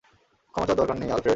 ক্ষমা চাওয়ার দরকার নেই, আলফ্রেড।